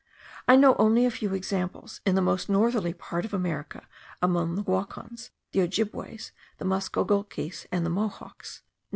I know only a few examples in the most northerly part of America, among the Woccons, the Ojibbeways, the Muskogulges, and the Mohawks.